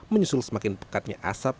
menyusul semakin pekatnya asap